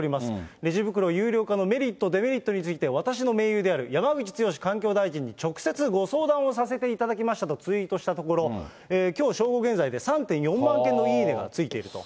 レジ袋有料化のメリット、デメリットについて、私の盟友である山口壮環境大臣に直接ご相談をさせていただきましたとツイートしたところ、きょう正午現在で３．４万件のいいねがついていると。